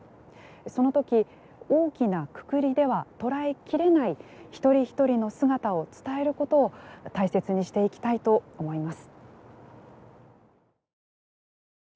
その時、大きなくくりでは捉え切れない一人一人の姿を伝えることを大切にしていきたいと思います。